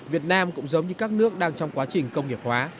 việt nam cũng giống như các nước đang trong quá trình công nghiệp hóa